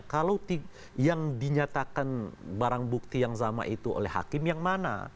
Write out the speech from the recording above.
kalau yang dinyatakan barang bukti yang sama itu oleh hakim yang mana